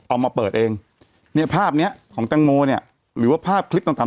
เอามาเปิดเองเนี่ยภาพเนี้ยของแตงโมเนี่ยหรือว่าภาพคลิปต่าง